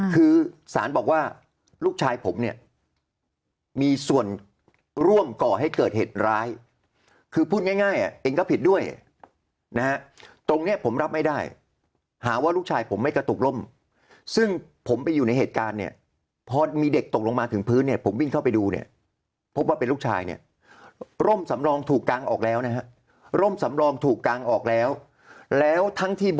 คือสารบอกว่าลูกชายผมเนี่ยมีส่วนร่วมก่อให้เกิดเหตุร้ายคือพูดง่ายเองก็ผิดด้วยนะฮะตรงเนี้ยผมรับไม่ได้หาว่าลูกชายผมไม่กระตุกร่มซึ่งผมไปอยู่ในเหตุการณ์เนี่ยพอมีเด็กตกลงมาถึงพื้นเนี่ยผมวิ่งเข้าไปดูเนี่ยพบว่าเป็นลูกชายเนี่ยร่มสำรองถูกกางออกแล้วนะฮะร่มสำรองถูกกางออกแล้วแล้วทั้งที่บ